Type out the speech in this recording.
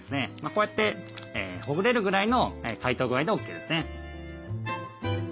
こうやってほぐれるぐらいの解凍具合でＯＫですね。